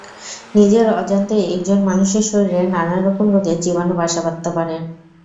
নিজের অজান্তেই একজন মানুষের শরীরে নানা রকম রোগের জীবাণু বাসা বাঁধতে পারে।